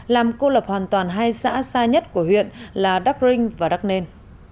làm cô lập hoàn toàn hai xã xa nhất của huyện là đắc rinh và đắc nên